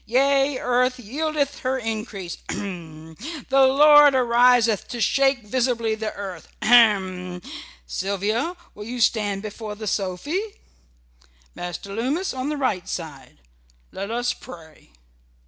Yea, earth yieldeth her increase h m! The Lord ariseth to shake visibly the earth ahem! Sylvia, will you stand before the sophy? Master Lummis on the right side. Let us pray."